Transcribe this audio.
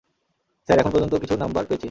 Sir এখনও পর্যন্ত কিছু নাম্বার পেয়েছি।